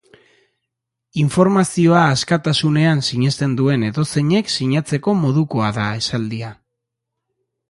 Informazioa askatasunean sinesten duen edozeinek sinatzeko modukoa da esaldia.